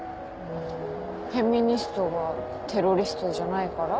んフェミニストがテロリストじゃないから？